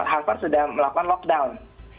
harvard sudah melakukan lockdown